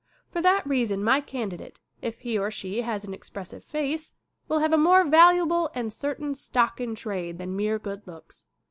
For that reason my candidate, if he or she has an expressive face, will have a more valuable and certain stock in trade than mere good looks.